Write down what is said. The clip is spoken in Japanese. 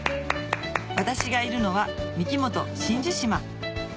私がいるのはミキモト真珠島